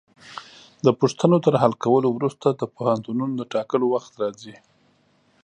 د پوښتنو تر حل کولو وروسته د پوهنتونونو د ټاکلو وخت راځي.